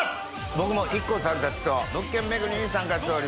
僕もＩＫＫＯさんたちと物件巡りに参加しております。